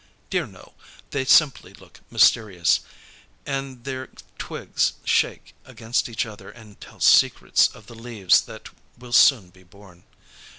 Dear no, they simply look mysterious, and their twigs shake against each other and tell secrets of the leaves that will soon be born.